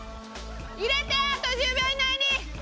入れてあと１０秒以内に！